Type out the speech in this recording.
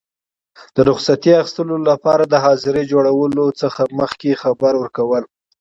د رخصتي اخیستلو لپاره د حاضرۍ جوړولو څخه مخکي خبر ورکول.